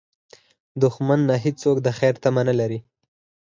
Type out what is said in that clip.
دښمن ته هېڅوک د خیر تمه نه لري